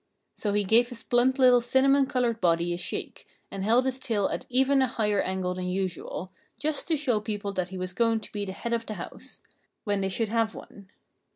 So he gave his plump little cinnamon colored body a shake and held his tail at even a higher angle than usual, just to show people that he was going to be the head of the house when they should have one.